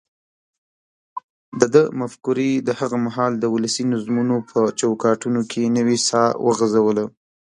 دده مفکورې د هغه مهال د ولسي نظمونو په چوکاټونو کې نوې ساه وغځوله.